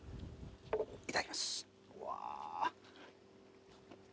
いただきますわぁ。